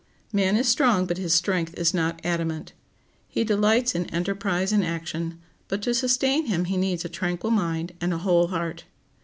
Man is strong, but his strength is not adamant. He delights in enterprise and action; but to sustain him he needs a tranquil mind and a whole heart.